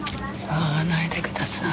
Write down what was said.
騒がないでください。